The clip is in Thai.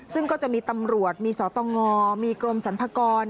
ซึ่งก็จะมีตำรวจมีสตงมีกรมสรรพากร